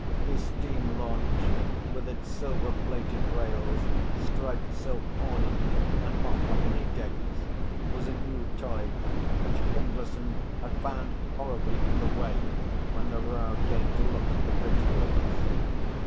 His steam launch, with its silver plated rails, striped silk awning, and mahogany decks, was a new toy which Findlayson had found horribly in the way when the Rao came to look at the bridge works.